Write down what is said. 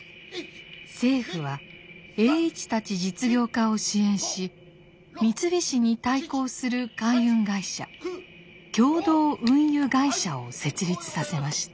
政府は栄一たち実業家を支援し三菱に対抗する海運会社共同運輸会社を設立させました。